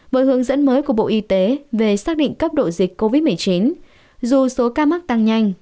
với hướng dẫn mới của bộ y tế về xác định cấp độ dịch covid một mươi chín dù số ca mắc tăng nhanh